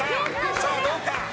さあ、どうか。